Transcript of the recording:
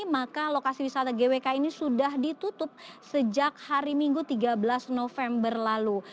maka lokasi wisata gwk ini sudah ditutup sejak hari minggu tiga belas november lalu